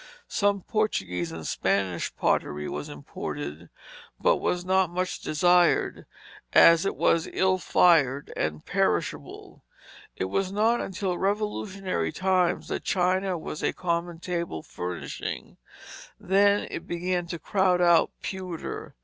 Some Portuguese and Spanish pottery was imported, but was not much desired, as it was ill fired and perishable. It was not until Revolutionary times that china was a common table furnishing; then it began to crowd out pewter.